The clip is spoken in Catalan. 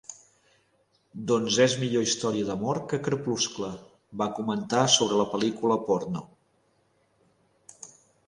"Doncs és millor història d'amor que Crepuscle", va comentar sobre la pel·lícula porno.